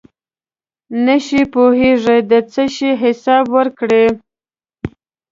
نشی پوهېږي د څه شي حساب ورکړي.